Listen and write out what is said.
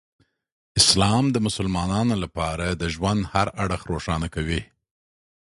اسلام د مسلمانانو لپاره د ژوند هر اړخ روښانه کوي.